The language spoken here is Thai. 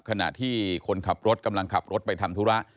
ขณะที่คนขับรถกำลังขับรถไปทำธุระ